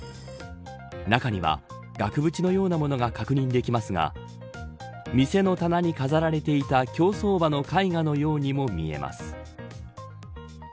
中には額縁のようなものが確認できますが店の棚に飾られていた競走馬の絵画のようにも見えます。